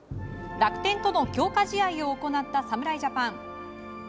楽天との強化試合を行った侍ジャパン。